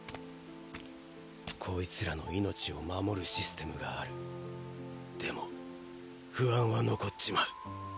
こいつらの命を守るシステムがあるでも不安は残っちまう。